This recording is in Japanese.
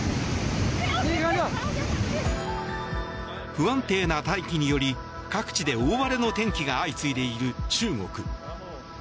不安定な大気により各地で大荒れの天気が相次いでいる中国。